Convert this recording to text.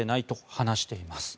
話しています。